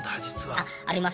あっあります。